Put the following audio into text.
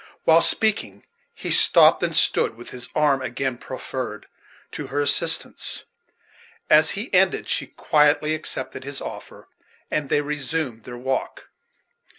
While speaking, he stopped, and stood with his arm again proffered to her assistance. As he ended, she quietly accepted his offer, and they resumed their walk.